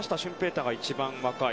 大が一番若い。